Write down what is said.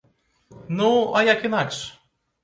Ну а як інакш?